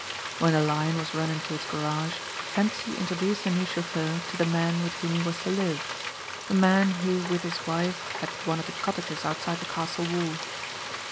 When the Lion was run into its garage Hentzi introduced the new chauffeur to the man with whom he was to live, a man who with his wife had one of the cottages outside the castle wall.